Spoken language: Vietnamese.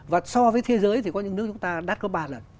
và so với thế giới thì có những nước chúng ta đắt gấp ba lần